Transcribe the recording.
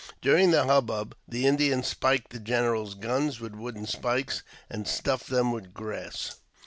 During the hubbub, the Indians spiked the general's guns with wooden spikes, and stuffed them with grass.